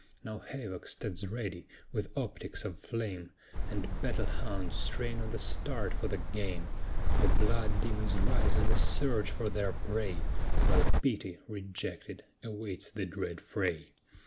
Now havoc stands ready, with optics of flame, And battle hounds "strain on the start" for the game; The blood demons rise on the surge for their prey, While Pity, rejected, awaits the dread fray.